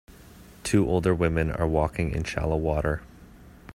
Two older women are walking in shallow water.